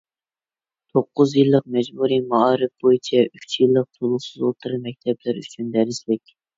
توققۇز يىللىق مەجبۇرىي مائارىپ بويىچە ئۈچ يىللىق تولۇقسىز ئوتتۇرا مەكتەپلەر ئۈچۈن دەرسلىك